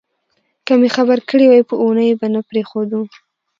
که مې خبر کړي وای په اوونیو به نه پرېښودو.